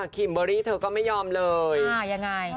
คิมเบอรี่เธอก็ไม่ยอมเลย